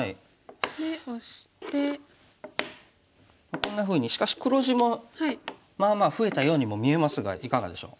こんなふうにしかし黒地もまあまあ増えたようにも見えますがいかがでしょう。